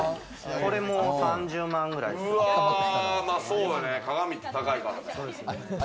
これも３０万円くらいですね。